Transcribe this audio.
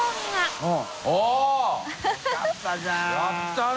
やったね！